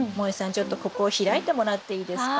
ちょっとここを開いてもらっていいですか？